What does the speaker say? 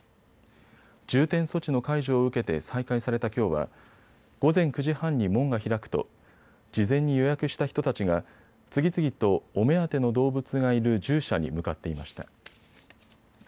重点措置の解除を受けて再開されたきょうは午前９時半に門が開くと事前に予約した人たちが次々とお目当ての動物がいる獣舎に向かっていました。